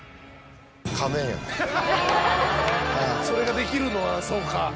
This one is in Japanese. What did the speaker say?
それができるのはそうか。